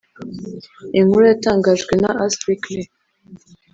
Inkuru yatangajwe na UsWeekly